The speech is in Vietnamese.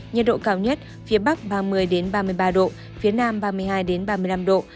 nhiệt độ cao nhất phía bắc ba mươi ba mươi ba độ phía nam ba mươi hai ba mươi năm độ